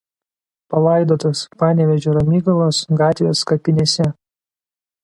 Palaidotas Panevėžio Ramygalos g. kapinėse.